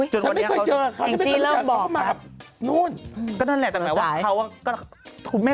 จนวันนี้เขาเขาไป